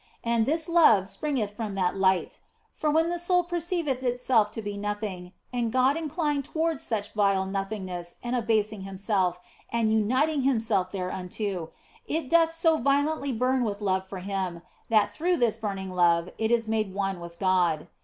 And this love springeth from that light ; for when the soul perceiveth itself to be nothing, and God inclined towards such vile nothingness and abasing Himself and uniting Himself thereunto, it doth so violently burn with love for Him that through this burning love it is made one with God.